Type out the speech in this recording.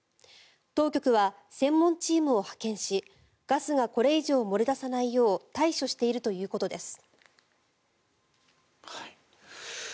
当局は専門チームを派遣しガスがこれ以上漏れ出さないよう対処しているということです。